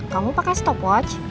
kamu pakai stopwatch